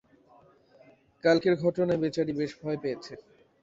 কালকের ঘটনায় বেচারি বেশ ভয় পেয়েছে।